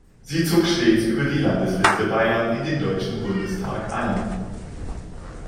Sie zog stets über die Landesliste Bayern in den Deutschen Bundestag ein.